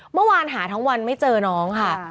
เมื่อวานหาทั้งวันไม่เจอน้องค่ะ